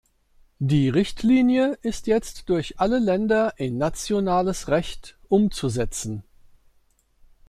Die Richtlinie ist jetzt durch alle Länder in nationales Recht umzusetzen.